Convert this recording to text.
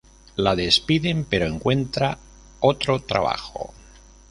La despiden, pero encuentra otro trabajo.